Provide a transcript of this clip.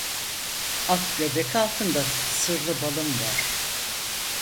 Ak göbek altında sırlı balım var.